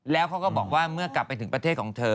แล้วเขาก็บอกว่าเมื่อกลับไปถึงประเทศของเธอ